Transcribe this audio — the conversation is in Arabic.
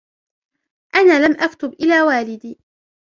أنا لم أكتب إلى والدي